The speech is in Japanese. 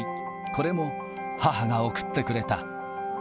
これも母が送ってくれた。